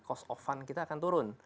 cost of fund kita akan turun